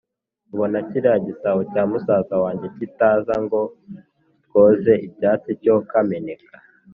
“ubona kiriya gisabo cya musaza wange, kitaza ngo twoze ibyansi cyo kameneka.”